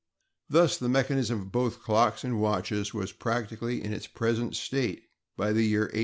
Thus, the mechanism of both clocks and watches was practically in its present state by the year 1800.